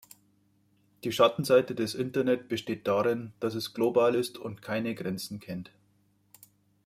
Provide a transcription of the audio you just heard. Die Schattenseite des Internet besteht darin, dass es global ist und keine Grenzen kennt.